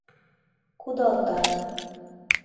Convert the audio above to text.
кудалта